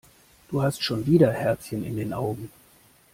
Du hast schon wieder Herzchen in den Augen.